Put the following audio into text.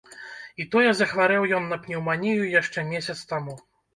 І тое захварэў ён на пнеўманію яшчэ месяц таму.